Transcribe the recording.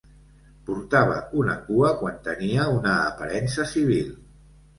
Portava una cua quan tenia una aparença civil.